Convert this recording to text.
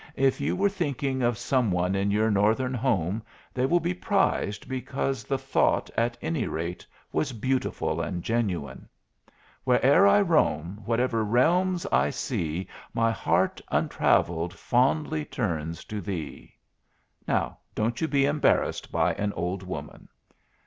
"If you were thinking of some one in your Northern home, they will be prized because the thought, at any rate, was beautiful and genuine. 'Where'er I roam, whatever realms to see, my heart, untravelled, fondly turns to thee.' Now don't you be embarrassed by an old woman!"